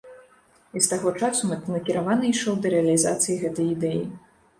І з таго часу мэтанакіравана ішоў да рэалізацыі гэтай ідэі.